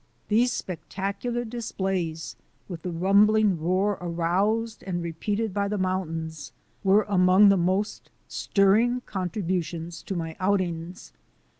These spectac ular displays, with the rumbling roar aroused and repeated by the mountains, were among the most stirring contributions to my outings.